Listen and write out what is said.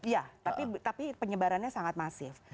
iya tapi penyebarannya sangat masif